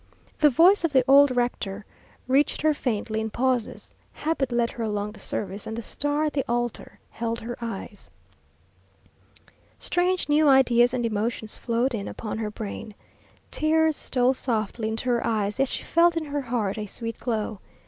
The voice of the old rector reached her faintly in pauses; habit led her along the service, and the star at the altar held her eyes. Strange new ideas and emotions flowed in upon her brain. Tears stole softly into her eyes, yet she felt in her heart a sweet glow.